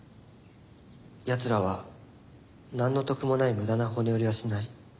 奴らはなんの得もない無駄な骨折りはしない。